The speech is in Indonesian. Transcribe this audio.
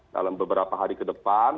dalam beberapa hari ke depan